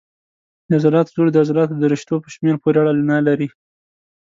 د عضلاتو زور د عضلاتو د رشتو په شمېر پورې اړه نه لري.